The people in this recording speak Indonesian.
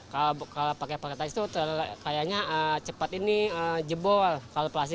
kalau pakai plastik itu kayaknya cepat ini jebol